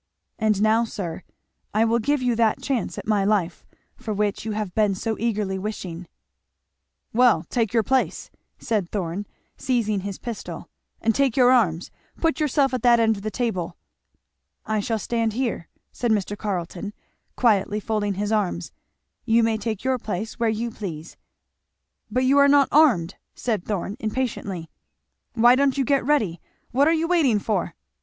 And now, sir, I will give you that chance at my life for which you have been so eagerly wishing." [Illustration: "Well, take your place," said Thorn.] "Well take your place," said Thorn seizing his pistol, "and take your arms put yourself at the end of the table !" "I shall stand here," said Mr. Carleton, quietly folding his arms; "you may take your place where you please." "But you are not armed!" said Thorn impatiently, "why don't you get ready? what are you waiting for?"